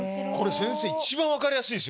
先生一番分かりやすい。